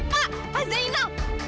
pak pak zainal